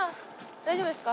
大丈夫ですか？